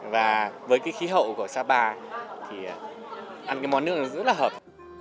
và với cái khí hậu của sapa thì ăn cái món nước rất là hợp